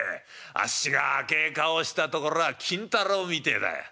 あっしが赤え顔したところは金太郎みてえだよ。